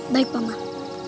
baik pak man